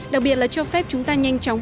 đặc biệt là cho phép chúng ta nhanh chóng